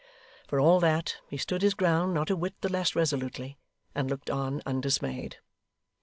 For all that, he stood his ground not a whit the less resolutely, and looked on undismayed.